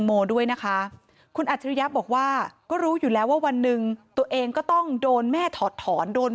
มันยกเลิกตอน๕โมงเย็น